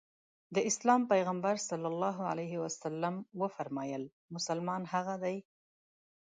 د اسلام پيغمبر ص وفرمايل مسلمان هغه دی.